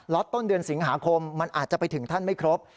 ต้นเดือนสิงหาคมมันอาจจะไปถึงท่านไม่ครบ